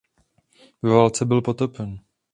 Ve válce byl potopen.